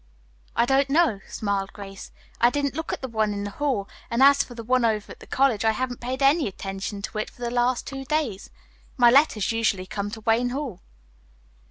"I don't know," smiled Grace. "I didn't look at the one in the hall and as for the one over at the college, I haven't paid any attention to it for the last two days. My letters usually come to Wayne Hall."